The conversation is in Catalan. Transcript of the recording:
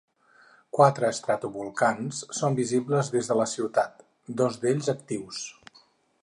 Quatre estratovolcans són visibles des de la ciutat, dos d'ells actius.